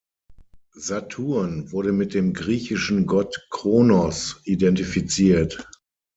Saturn wurde mit dem griechischen Gott Kronos identifiziert.